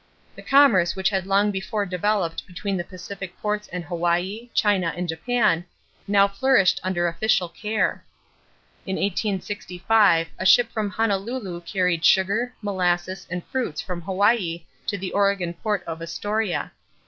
The commerce which had long before developed between the Pacific ports and Hawaii, China, and Japan now flourished under official care. In 1865 a ship from Honolulu carried sugar, molasses, and fruits from Hawaii to the Oregon port of Astoria.